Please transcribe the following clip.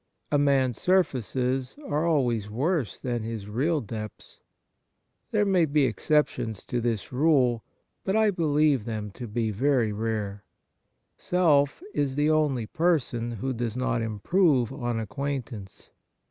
A man's surfaces are always worse than his real depths. There may be exceptions to this rule, but I believe them to be very rare. Self is the only person who does not improve on acquaintance.